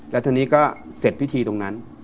แล้วทีนี้ก็เสร็จพิธีตรงนั้น